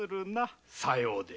さようで。